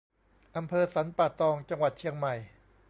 อำเภอสันป่าตอง จังหวัดเชียงใหม่